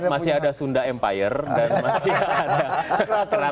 masih ada sunda empire